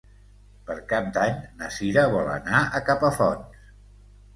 Per Cap d'Any na Cira vol anar a Capafonts.